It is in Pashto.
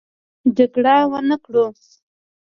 جګړه ونه کړو.